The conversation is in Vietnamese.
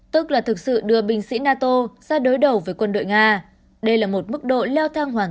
tức là thực sự đưa binh sĩ nato ra đối đầu với quân đội nga đây là một mức độ leo thang hoàn